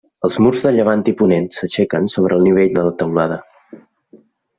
Els murs de llevant i ponent s'aixequen sobre el nivell de la teulada.